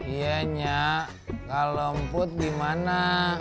iya nyak kalo meput dimana